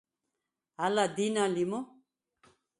ალა დი̄ნა ლი მო̄?